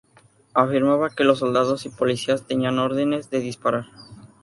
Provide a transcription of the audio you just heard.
Afirmaba que los soldados y policías tenían órdenes de disparar.